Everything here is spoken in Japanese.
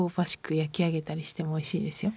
焼き上げたりしてもおいしいですよ。